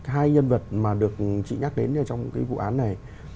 hai nhân vật mà được chị nhắc đến trong cái vụ án này